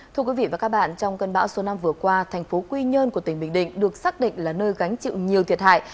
thưa quý vị và các bạn trong cơn bão số năm vừa qua thành phố quy nhơn của tỉnh bình định được xác định là nơi gánh chịu nhiều thiệt hại